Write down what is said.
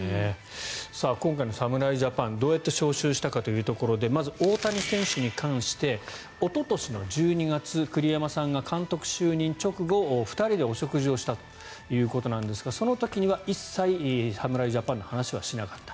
今回の侍ジャパンどうやって招集したかというところでまず大谷選手に関しておととしの１２月栗山さんが監督就任直後２人でお食事をしたということなんですがその時には一切侍ジャパンの話はしなかった。